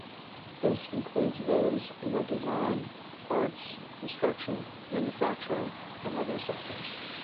This includes those in the design, arts, construction, manufacturing and other sectors.